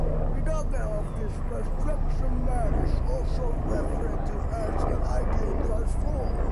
The target of this restriction map is also referred to as the ideal transform.